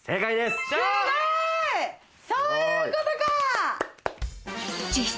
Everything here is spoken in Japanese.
すごい！そういうことか！